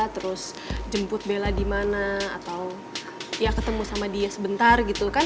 terus jemput bella di mana atau ya ketemu sama dia sebentar gitu kan